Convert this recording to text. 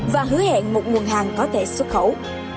và hứa hẹn một nguồn hàng có thể xuất khẩu